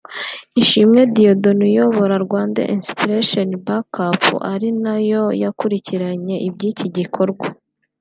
Ishimwe Dieudonné uyobora Rwanda Inspiration Back-up ari nayo yakurikiranye iby’iki gikorwa